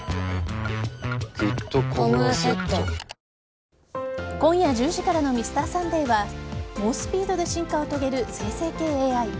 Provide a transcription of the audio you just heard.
続く今夜１０時からの「Ｍｒ．サンデー」は猛スピードで進化を遂げる生成系ＡＩ。